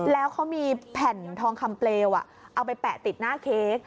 แล้วเขามีแผ่นทองคำเปลวเอาไปแปะติดหน้าเค้ก